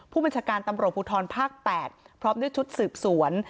ผู้บัญชาการตำรวจภูทรภาค๘พร้อมด้วยชุดสืบสวน